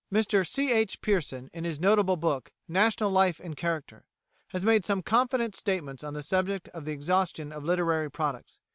Mr C. H. Pearson, in his notable book, "National Life and Character," has made some confident statements on the subject of the exhaustion of literary products.